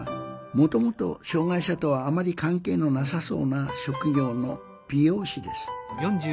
もともと障害者とはあまり関係のなさそうな職業の美容師です。